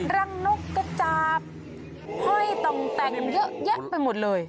รังนกกระจาบห้อยต่องแต่งเยอะแยะไปหมดเลย